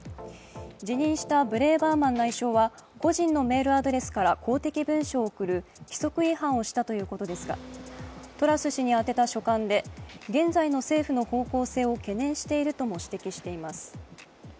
辞任したブレーバーマン内相は個人のメールアドレスから公的文書を送る規則違反をしたということですが、トラス氏に宛てた書簡で現在の政府の方向性を懸念しているとも指摘しています。